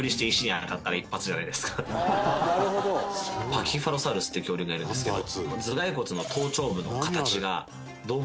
パキケファロサウルスっていう恐竜がいるんですけど。